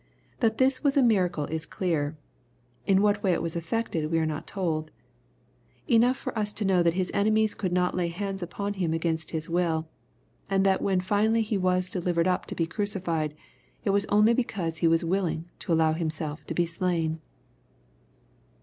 ] That this was a miracle is clear. In what way it was effected we are not told. Enough for us to know that His enemies could not lay hands upon him against His will, and that when finally He was delivered up to be crucified, it was only because He was willing to allow Himself to be slain.